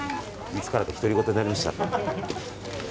いつからか独り言になりました。